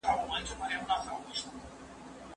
ولي ښاري پراختیا باید د یو منظم پلان له مخې وي؟